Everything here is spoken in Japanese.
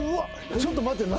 ちょっと待って何？